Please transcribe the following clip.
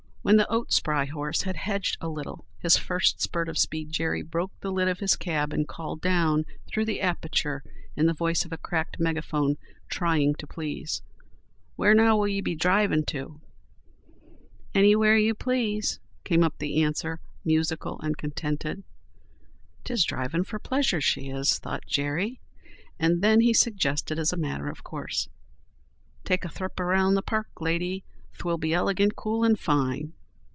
When the oat spry horse had hedged a little his first spurt of speed Jerry broke the lid of his cab and called down through the aperture in the voice of a cracked megaphone, trying to please: "Where, now, will ye be drivin' to?" "Anywhere you please," came up the answer, musical and contented. "'Tis drivin' for pleasure she is," thought Jerry. And then he suggested as a matter of course: "Take a thrip around in the park, lady. 'Twill be ilegant cool and fine."